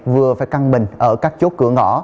vừa phải căn bình ở các chốt cửa ngõ